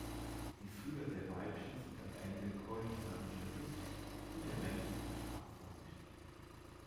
Die Fühler der Weibchen sind am Ende keulenförmig verdickt, die der Männchen sind stabförmig.